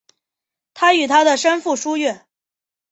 他与他的生父疏远。